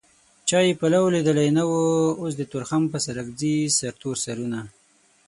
چا يې پلو ليدلی نه و اوس د تورخم په سرک ځي سرتور سرونه